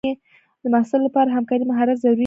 د محصل لپاره همکارۍ مهارت ضروري دی.